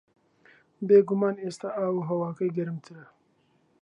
بێگومان ئێستا ئاو و ھەواکەی گەرمترە